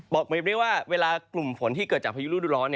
บอกเมียบนี้ว่าเวลากลุ่มฝนที่เกิดจากพยุรูดร้อน